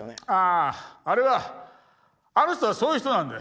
ああれはあの人はそういう人なんで。